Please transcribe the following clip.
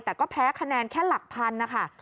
แต่ก็แพ้คะแนนแค่หลักพันนะคะ